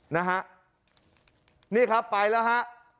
นะฮะนี่ครับไปแล้วฮะ